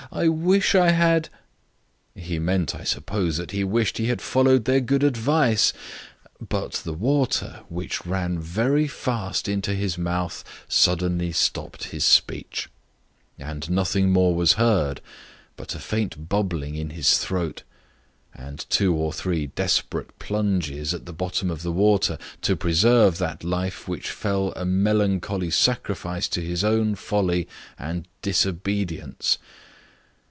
I wish I had_ He meant I suppose, that he wished he had followed their good advice; but the water, which ran very fast into his mouth, suddenly stopped his speech, and nothing more was heard but a faint bubbling in his throat, and two or three desperate plunges at the bottom of the water, to preserve that life which fell a melancholy sacrifice to his own folly and disobedience!